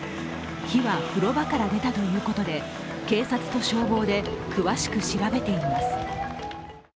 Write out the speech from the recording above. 火は風呂場から出たということで警察と消防で詳しく調べています。